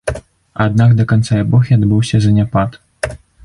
Аднак да канца эпохі адбыўся заняпад.